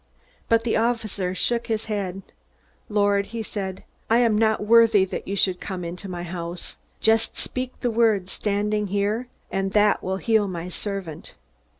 But the officer shook his head. "Lord," he said, "I am not worthy that you should come into my house. Just speak a word, standing here, and that will heal my servant.